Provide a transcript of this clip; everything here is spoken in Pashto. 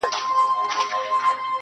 د الماسو یو غمی وو خدای راکړی.